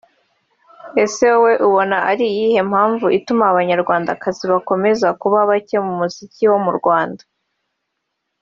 Ese wowe ubona ari iyihe mpmavu ituma abanyarwandakazi bakomeza kuba bake mu muziki wo mu Rwanda